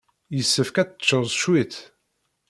Yessefk ad tecceḍ cwiṭ.